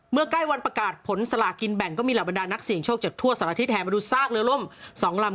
เมื่อใกล้วันประกาศผลสารากินแบ่งก็มีหลับบันดาลนักเสียงโชคจากทั่วสระอาทิตย์แฮนด์มาดูซากเรือร่ม๒ลำ